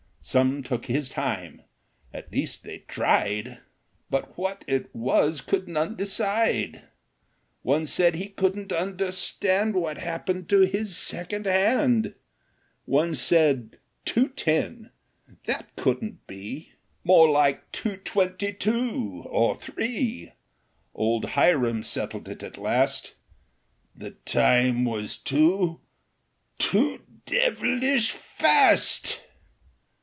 " Some took his time, — at least they tried, But what it was could none decide ; One said he could n't understand What happened to his second hand ; One said 2.10; that could n't be — More like two twenty two or three ; 54 How the Old Horse Won Old Hiram settled it at last ;" The time was two — too dee vel ish fast